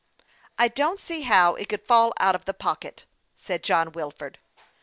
I don't see how it could fall out of the pocket," said John Wilford.